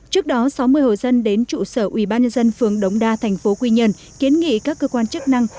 trước đó sáu mươi hồ dân đến trụ sở quỹ bác nhân dân phường đống đa thành phố quy nhơn kiến nghị các cơ quan chức năng